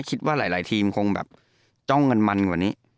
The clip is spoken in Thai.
คิดว่าหลายทีมคงแบบจ้องกันมันกว่านี้